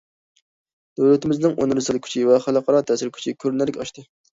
دۆلىتىمىزنىڭ ئۇنىۋېرسال كۈچى ۋە خەلقئارا تەسىر كۈچى كۆرۈنەرلىك ئاشتى.